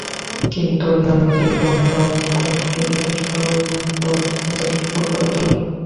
কিন্তু অন্যান্য জেলার বন্ধুরাও অনেক কষ্ট করে সংবর্ধনা সফল করে তোলেন।